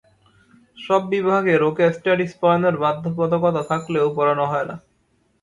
সব বিভাগে রোকেয়া স্টাডিজ পড়ানোর বাধ্যবাধকতা থাকলেও পড়ানো হয় না।